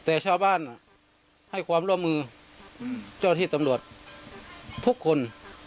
แต่ชาวบ้านให้ความร่วมมือเจ้าที่ตำรวจทุกคน